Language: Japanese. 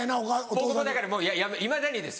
僕もだからいまだにです